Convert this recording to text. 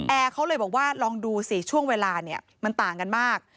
เขาเลยบอกว่าลองดูสิช่วงเวลาเนี่ยมันต่างกันมาก